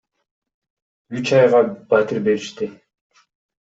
Үч айга батир беришти.